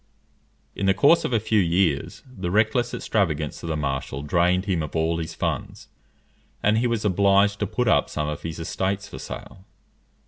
In the course of a few years, the reckless extravagance of the marshal drained him of all his funds, and he was obliged to put up some of his estates for sale.